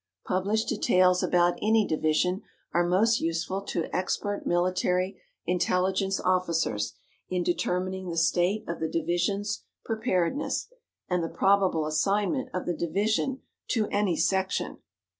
Published details about any division are most useful to expert military intelligence officers in determining the state of the division's preparedness, and the probable assignment of the division to any section.